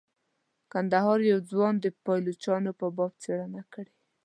کندهار یوه ځوان د پایلوچانو په باب څیړنه کړې.